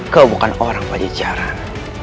kau bukan orang pada jalan